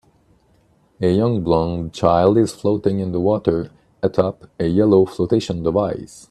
A young blond child is floating in the water atop a yellow flotation device.